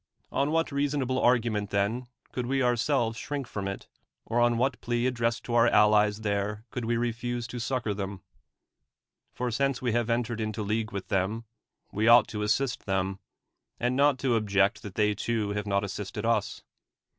On what reasonable argument, then, could we ourselves shrink from it ; or on what plea ad dressed to our allies there could we refuse to succor them ? For since we have entered into league with them, we ought to assist them, and not to object that they too have not assisted us.